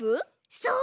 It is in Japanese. そう！